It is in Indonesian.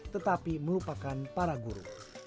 tetapi merupakan para guru